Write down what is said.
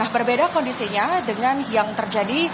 berbeda kondisinya dengan yang terjadi